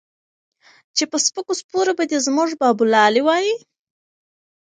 چې پۀ سپکو سپورو به دے زمونږ بابولالې وائي